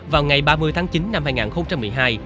vào ngày ba mươi tháng chín năm hai nghìn một mươi hai